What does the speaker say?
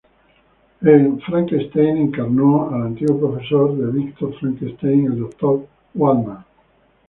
En "Frankenstein", encarnó al antiguo profesor de Victor Frankenstein: el Dr. Waldman.